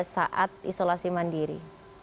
saat isolasi mandiri